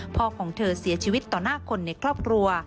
พ่อของเธอเสียชีวิตต่อหน้าคนในครอบครัว